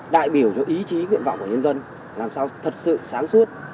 đại biểu cho ý chí nguyện vọng của nhân dân làm sao thật sự sáng suốt